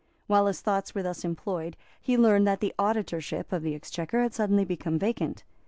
While his thoughts were thus employed, he learned that the Auditorship of the Exchequer had suddenly become vacant.